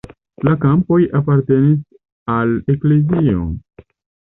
La kampoj apartenis al eklezio.